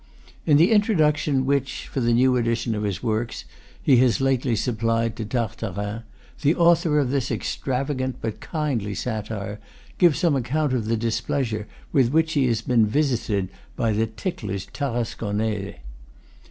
In the introduction which, for the new edition of his works, he has lately supplied to "Tar tarin," the author of this extravagant but kindly satire gives some account of the displeasure with which he has been visited by the ticklish Tarascon nais.